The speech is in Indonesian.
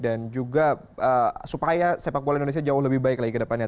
juga supaya sepak bola indonesia jauh lebih baik lagi ke depannya